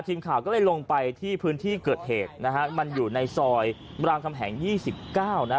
ทีมข่าวก็เลยลงไปที่พื้นที่เกิดเหตุนะฮะมันอยู่ในซอยรามคำแหง๒๙นะฮะ